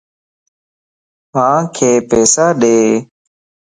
مانک پيسا ڏي